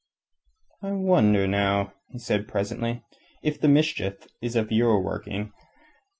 "I wonder, now," he said presently, "if the mischief is of your working.